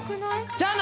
じゃあな！